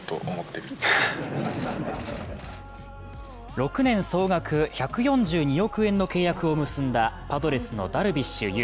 ６年総額１４２億円の契約を結んだパドレスのダルビッシュ有。